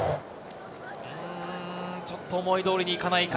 ちょっと思いどおりにいかないか。